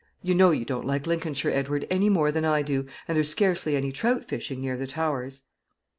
You know you don't like Lincolnshire, Edward, any more than I do, and there's scarcely any trout fishing near the Towers."